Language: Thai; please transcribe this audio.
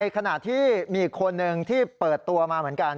ขณะที่มีอีกคนนึงที่เปิดตัวมาเหมือนกัน